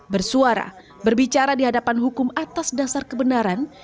bersuara berbicara di hadapan hukum atas dasar kebenaran